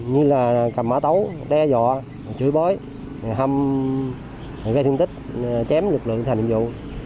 như là cầm má tấu đe dọa chửi bới hâm gây thương tích chém lực lượng thành nhiệm vụ